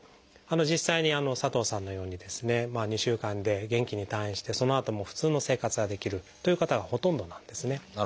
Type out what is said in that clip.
実際に佐藤さんのようにですね２週間で元気に退院してそのあとも普通の生活ができるという方がほとんどなんですね。